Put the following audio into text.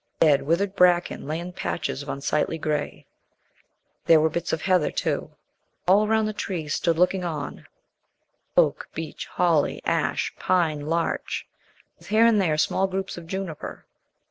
Dead, withered bracken lay in patches of unsightly grey. There were bits of heather too. All round the trees stood looking on oak, beech, holly, ash, pine, larch, with here and there small groups of juniper.